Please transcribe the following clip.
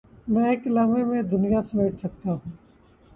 میں ایک لمحے میں دنیا سمیٹ سکتا ہوں